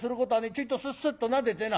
ちょいとスッスッとなでてな。